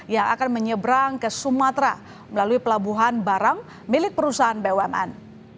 yang akan menyeberang ke sumatera melalui pelabuhan baram milik perusahaan bumn